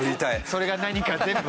それが何か全部。